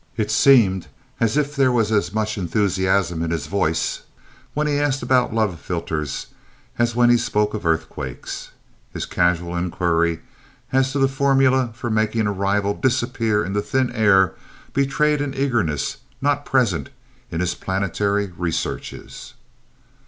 It seemed as if there was as much enthusiasm in his voice when he asked about love philters as when he spoke of earthquakes. His casual inquiry as to the formula for making a rival disappear into thin air betrayed an eagerness not present in his planetary researches.